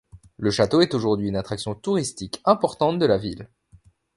Le château est aujourd'hui une attraction touristique importante de la ville.